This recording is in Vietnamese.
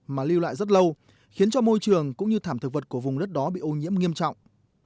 mà lưu lại rất lâu khiến cho môi trường cũng như thảm thực vật của vùng đất đó bị ô nhiễm nghiêm trọng